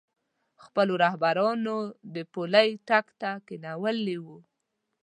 خپلو رهبرانو د پولۍ ټک ته کېنولو.